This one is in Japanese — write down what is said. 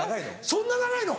そんな長いの？